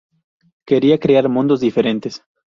Quería crear mundos diferentes.